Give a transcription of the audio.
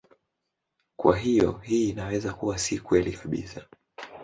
Kwa hiyo hii inaweza kuwa si kweli kabisa.